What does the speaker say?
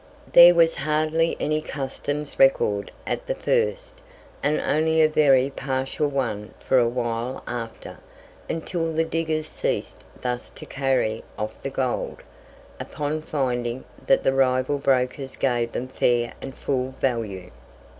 There was hardly any Customs record at the first, and only a very partial one for a while after, until the diggers ceased thus to carry off the gold, upon finding that the rival brokers gave them fair and full value.